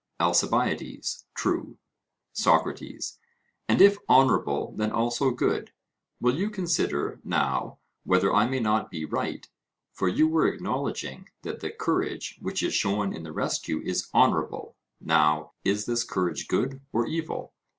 ALCIBIADES: True. SOCRATES: And if honourable, then also good: Will you consider now whether I may not be right, for you were acknowledging that the courage which is shown in the rescue is honourable? Now is this courage good or evil?